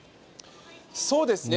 そうですね。